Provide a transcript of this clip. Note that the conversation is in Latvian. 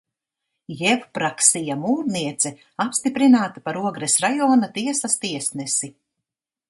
Jevpraksija Mūrniece apstiprināta par Ogres rajona tiesas tiesnesi.